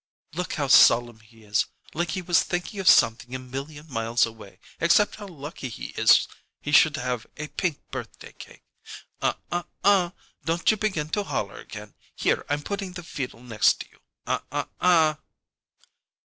"Look how solemn he is, like he was thinking of something a million miles away except how lucky he is he should have a pink birthday cake. Uh uh uh! Don't you begin to holler again. Here, I'm putting the feedle next to you. Uh uh uh!"